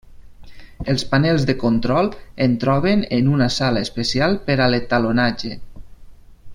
Els panels de control en troben en una sala especial per a l'etalonatge.